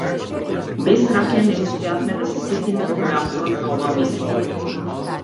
Без ракија не успеавме да се сетиме кој е авторот на оваа мисла.